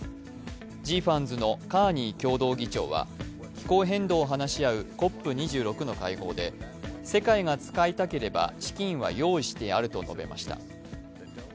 ＧＦＡＮＺのカーニー共同議長は、気候変動を話し合うＣＯＰ２６の会合で世界が使いたければ資金は用意してあると述べました。